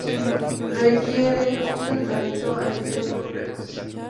Requiere un tratamiento antibiótico precoz.